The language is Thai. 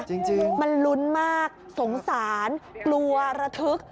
จริงมันลุ้นมากสงสารกลัวระทึก